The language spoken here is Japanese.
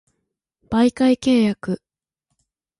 媒介契約